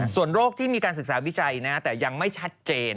ส่วนโรคที่มีการศึกษาวิจัยแต่ยังไม่ชัดเจน